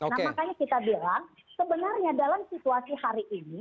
nah makanya kita bilang sebenarnya dalam situasi hari ini